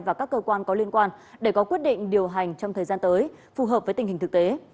và các cơ quan có liên quan để có quyết định điều hành trong thời gian tới phù hợp với tình hình thực tế